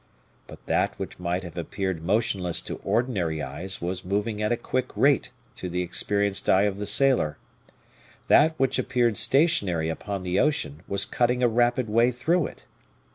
But that which might have appeared motionless to ordinary eyes was moving at a quick rate to the experienced eye of the sailor; that which appeared stationary upon the ocean was cutting a rapid way through it.